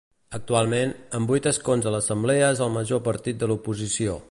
Actualment, amb vuit escons a l'Assemblea és el major partit de l'oposició.